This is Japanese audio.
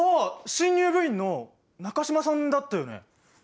新入部員の中島さんだったよね？